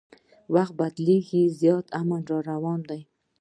وخت بدلیږي زیاتي امن راروان دي